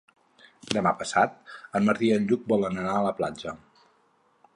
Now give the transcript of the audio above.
Demà passat en Martí i en Lluc volen anar a la platja.